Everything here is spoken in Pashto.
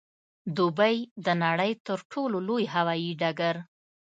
دوبۍ د نړۍ د تر ټولو لوی هوايي ډګر